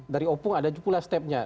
dari opung ada juga pula step nya